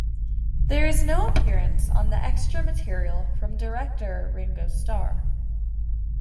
There is no appearance on the extra material from director Ringo Starr.